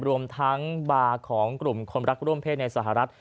รวมทั้งบาร์ของกลุ่มคนรักร่วมเพศในสหรัฐ